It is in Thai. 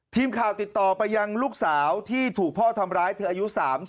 ทีมข่าวติดต่อไปยังลูกสาวที่ถูกพ่อทำร้ายเธออายุ๓๐